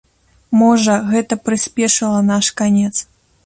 Можа, гэта прыспешыла наш канец.